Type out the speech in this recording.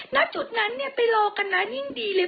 ณจุดนั้นเนี่ยไปรอกันนะยิ่งดีเลย